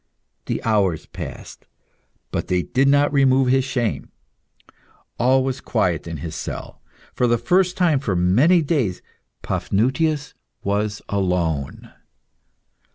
The hours passed, but they did not remove his shame. All was quiet in the cell. For the first time for many long days, Paphnutius was alone.